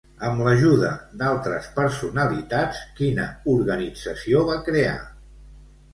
Amb l'ajuda d'altres personalitats, quina organització va crear?